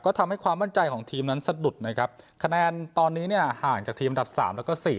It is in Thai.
ก็ทำให้ความมั่นใจของทีมนั้นสะดุดนะครับคะแนนตอนนี้เนี่ยห่างจากทีมอันดับสามแล้วก็สี่